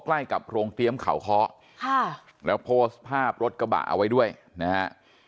ใกล้กับโรงเตรียมเขาเคาะค่ะแล้วโพสต์ภาพรถกระบะเอาไว้ด้วยนะฮะ